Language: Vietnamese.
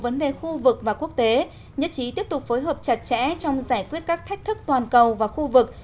vấn đề khu vực và quốc tế nhất trí tiếp tục phối hợp chặt chẽ trong giải quyết các thách thức toàn cầu và khu vực